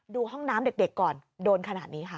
ห้องน้ำเด็กก่อนโดนขนาดนี้ค่ะ